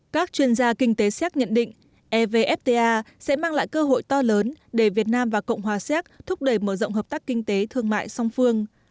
các chuyên gia kinh tế séc nhận định evfta sẽ mang lại cơ hội to lớn để việt nam và cộng hòa séc thúc đẩy mở rộng hợp tác kinh tế thương mại song phương